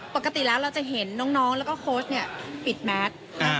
ปกติแล้วเราจะเห็นน้องแล้วก็โค้ชเนี่ยปิดแมส